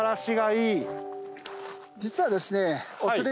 実はですね。